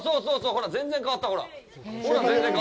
ほら、全然変わった。